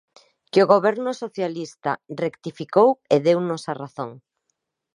Que o Goberno socialista rectificou e deunos a razón.